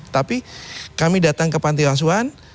tapi kami datang ke pantiasuan